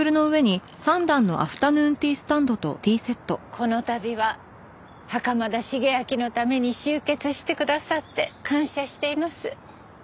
この度は袴田茂昭のために集結してくださって感謝しています。